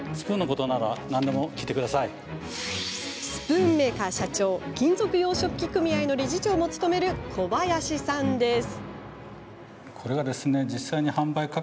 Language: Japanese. スプーンメーカー社長金属洋食器組合の理事長も務める小林さんです。